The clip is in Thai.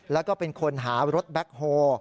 แล้วก็เป็นคนหารถแบ็คโฮ